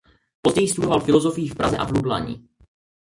Později studoval filozofii v Praze a v Lublani.